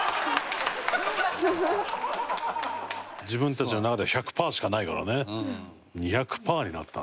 自分たちの中では１００パーしかないからね。